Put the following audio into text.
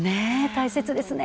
大切ですね！